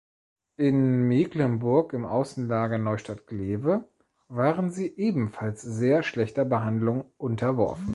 In Mecklenburg im Außenlager Neustadt-Glewe waren sie ebenfalls sehr schlechter Behandlung unterworfen.